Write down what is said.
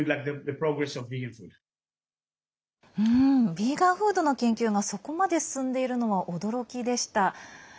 ビーガンフードの研究がそこまで進んでいるのは驚きでした。